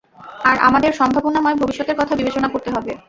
আর আমাদের সম্ভাবনাময় ভবিষ্যতের কথা বিবেচনা করতে হবে।